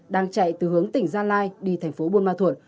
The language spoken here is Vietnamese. đang chạy từ hướng tỉnh gia lai đi thành phố buôn ma thuột